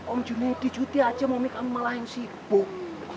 om junedi cuti aja mami kami malah yang sibuk